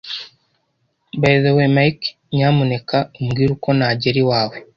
By the way, Mike, nyamuneka umbwire uko nagera iwawe.